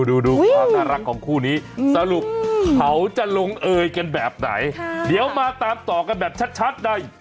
ดูความน่ารักของคู่นี้สรุปเขาจะลงเอยกันแบบไหนเดี๋ยวมาตามต่อกันแบบชัดใน